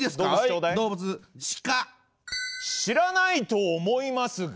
知らないと思いますが。